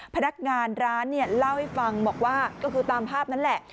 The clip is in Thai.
พนักงานร้านเนี่ยเล่าให้ฟังบอกว่าก็คือตามภาพนั้นแหละ